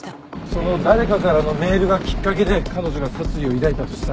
その誰かからのメールがきっかけで彼女が殺意を抱いたとしたら。